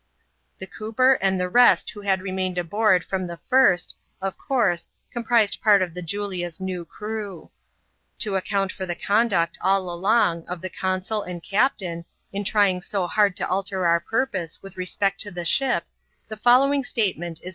The cooper and the rest who had remained aboard from the first, of course, composed part of the Julia's new crew. To account for the conduct, all along, of the consul and captain, in trying so hard to alter our purpose with respect to the ship, the following statement \a «^>i\i^\.